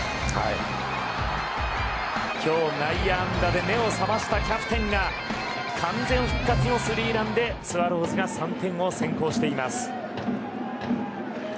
今日、内野安打で目を覚ましたキャプテンが完全復活のスリーランでスワローズが３点を先攻しています。